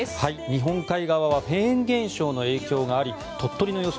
日本海側はフェーン現象の影響があり鳥取の予想